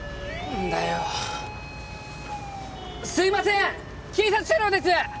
何だよすいません警察車両です！